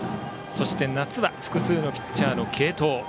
そして夏は複数ピッチャーの継投。